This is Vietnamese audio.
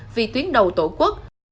vì tuyến đầu tổ quốc